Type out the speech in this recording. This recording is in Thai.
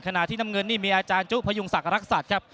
ขณะที่น้ำเงินนี่มีอาจารย์จุพยุงศักดิ์รักษัตริย์ครับ